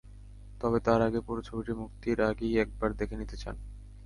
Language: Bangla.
তবে, তাঁর আগে পুরো ছবিটি মুক্তির আগেই একবার দেখে নিতে চান।